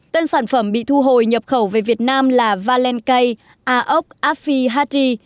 tên sản phẩm bị thu hồi nhập khẩu về việt nam là valenkay aok afi hadi